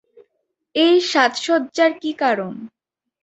এই সাজসজ্জার কি কারন?